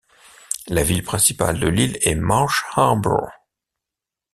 La ville principale de l'île est Marsh Harbour.